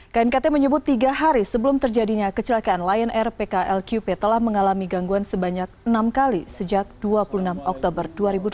knkt menyebut tiga hari sebelum terjadinya kecelakaan lion air pklqp telah mengalami gangguan sebanyak enam kali sejak dua puluh enam oktober dua ribu delapan belas